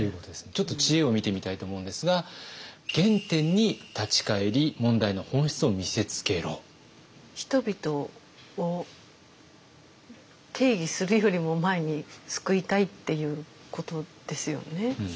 ちょっと知恵を見てみたいと思うんですが人々を定義するよりも前に救いたいっていうことですよね。